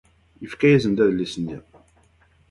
Yefka-asen-d adlis-nni.